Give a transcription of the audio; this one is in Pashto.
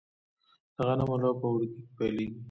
د غنمو لو په اوړي کې پیلیږي.